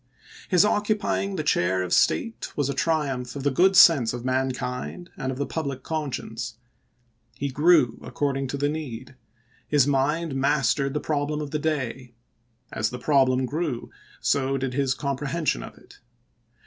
.. His occupying the chair of state was a triumph of the good sense of mankind and of the public conscience. ... He grew according to the need ; his mind mas tered the problem of the day ; and as the problem grew, so did his comprehension of it.